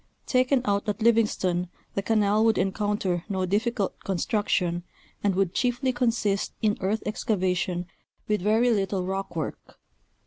Taken out at Livingston the canal would encounter no difficult construction, and would chiefly consist in earth excavation with very little rock work.